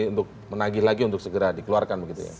untuk menagih lagi untuk segera dikeluarkan begitu ya